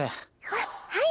あっはい。